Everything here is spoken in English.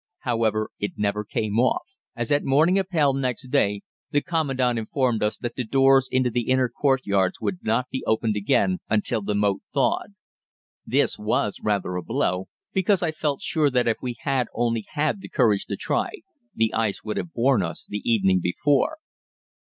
However, it never came off, as at morning Appell next day the Commandant informed us that the doors into the inner courtyards would not be opened again until the moat thawed. This was rather a blow, because I felt sure that if we had only had the courage to try, the ice would have borne us the evening before.